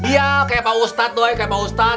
iya seperti pak ustadz doi seperti pak ustadz